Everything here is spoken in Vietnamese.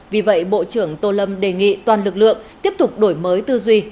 vì vậy bộ trưởng tô lâm đề nghị toàn lực lượng tiếp tục đổi mới tư duy